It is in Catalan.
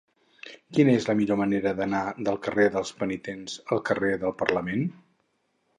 Quina és la millor manera d'anar del carrer dels Penitents al carrer del Parlament?